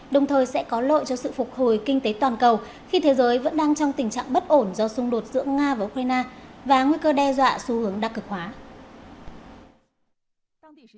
khi thế giới sẽ có lội cho sự phục hồi kinh tế toàn cầu khi thế giới vẫn đang trong tình trạng bất ổn do xung đột giữa nga và ukraine và nguy cơ đe dọa xu hướng đặc cực hóa